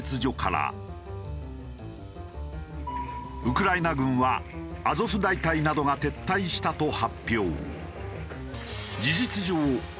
ウクライナ軍はアゾフ大隊などが撤退したと発表。